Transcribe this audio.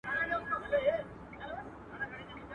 o بې چرگه به هم سبا سي.